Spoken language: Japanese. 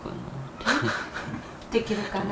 「できるかな」